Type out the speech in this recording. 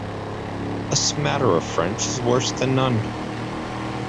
A smatter of French is worse than none.